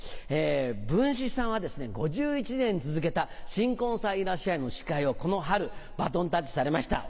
文枝さんは５１年続けた『新婚さんいらっしゃい！』の司会をこの春バトンタッチされました。